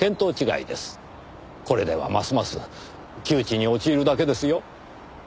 これではますます窮地に陥るだけですよ。